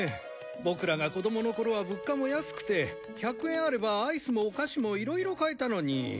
ボクらが子供の頃は物価も安くて１００円あればアイスもお菓子もいろいろ買えたのに。